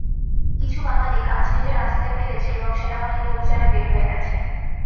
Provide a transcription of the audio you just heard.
কিছু বাঙালি গাছ কেটে রাস্তায় ফেলেছে এবং সেনাবাহিনী অভিযানে বের হয়ে গেছে।